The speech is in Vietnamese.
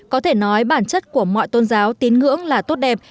có thể nói bản chất của mọi tôn giáo tín ngưỡng là tốt đẹp